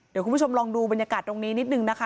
เดี๋ยวคุณผู้ชมลองดูบรรยากาศตรงนี้นิดนึงนะคะ